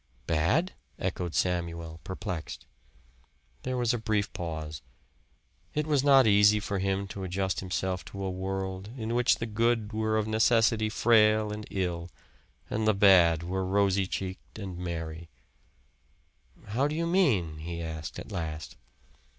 "Bad?" echoed Samuel perplexed. There was a brief pause. It was not easy for him to adjust himself to a world in which the good were of necessity frail and ill, and the bad were rosy cheeked and merry. "How do you mean?" he asked at last.